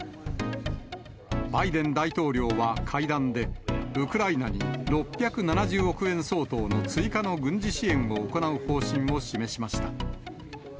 バイデン大統領は会談で、ウクライナに６７０億円相当の追加の軍事支援を行う方針を示しました。